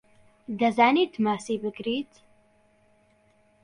دەزانیت ماسی بگریت؟